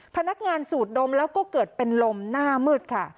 พนักงานสูดดมแล้วก็เกิดเป็นลมหน้ามืดค่ะ